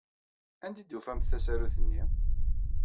Anda ay d-tufamt tasarut-nni?